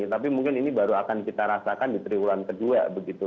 tapi mungkin ini baru akan kita rasakan di triwulan kedua begitu